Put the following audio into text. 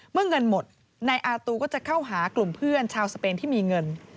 เมื่อเงินหมดนายอาตูก็จะเข้าหากลุ่มเพื่อนชาวสเปนที่มีเงิน